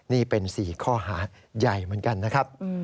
นี่เป็น๔ข้อหาใหญ่เหมือนกันนะครับ